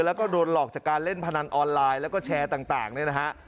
แล้วก็โดนหลอกจากการเล่นพนันออนไลน์แล้วก็แชร์ต่างเนี่ยนะฮะ